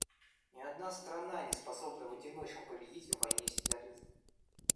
Ни одна страна не способна в одиночку победить в войне с терроризмом.